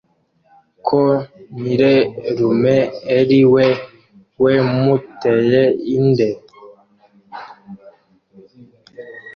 ko nyirerume eri we wemuteye inde